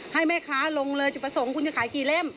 ให้แม่ค้าลงเลยจุดประสงค์คุณจะขายกี่เล่ม